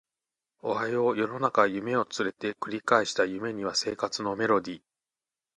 おはよう世の中夢を連れて繰り返した夢には生活のメロディ